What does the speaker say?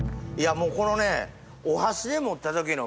もうこのね。